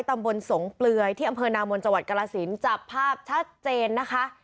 ตำบลสงเปลือยที่อำเภอนามนจังหวัดกรสินจับภาพชัดเจนนะคะ